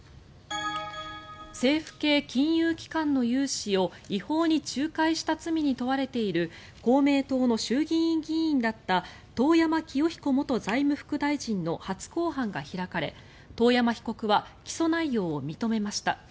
政府系金融機関の融資を違法に仲介した罪に問われている公明党の衆議院議員だった遠山清彦元財務副大臣の初公判が開かれ、遠山被告は起訴内容を認めました。